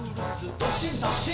どっしんどっしん」